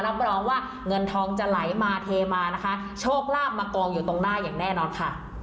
รับรองว่าเงินทองจะไหลมาเทมานะคะโชคลาภมากองอยู่ตรงหน้าอย่างแน่นอนค่ะ